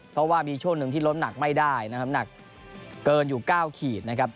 เพราะว่ามีช่วงหนึ่งที่ล้มหนักไม่ได้นะครับหนักเกินอยู่๙ขีดนะครับ